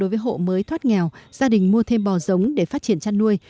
với hộ mới thoát nghèo gia đình mua thêm bò giống để phát triển chăn nuôi